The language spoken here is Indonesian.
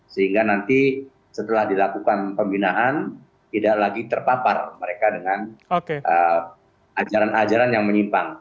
sehingga nanti setelah dilakukan pembinaan tidak lagi terpapar mereka dengan ajaran ajaran yang menyimpang